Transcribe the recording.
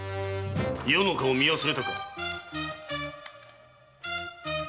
余の顔を見忘れたか？